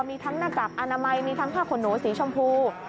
มีทั้งหน้ากากอนามัยมีทั้งผ้าขนหนูสีชมพู